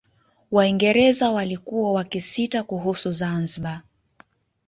Waingereza walikuwa wakisita kuhusu Zanzibar